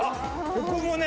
ここもね